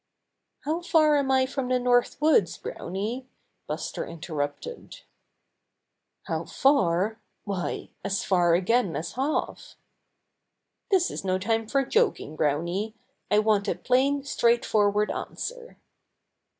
"How far am I from the North Woods, Browny?" Buster interrupted. "How far? Why, as far again as half." "This is no time for joking, Browny. I want a plain, straightforward answer."